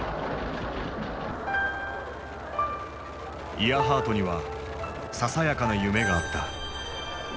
イアハートにはささやかな夢があった。